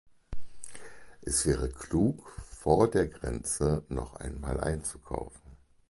Es wäre klug, vor der Grenze noch einmal einzukaufen.